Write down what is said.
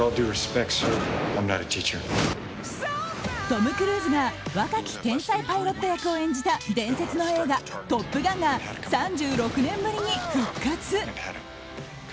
トム・クルーズが若き天才パイロット役を演じた伝説の映画「トップガン」が３６年ぶりに復活。